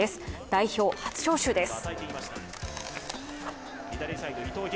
代表初招集です。